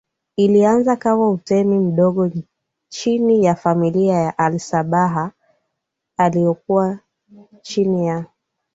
ilianza kama utemi mdogo chini ya familia ya Al Sabah iliyokuwa chini ya